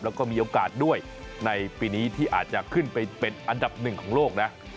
แล้วก็มีโอกาสด้วยในปีนี้ที่อาจจะขึ้นไปเป็นอันดับหนึ่งของโลกนะ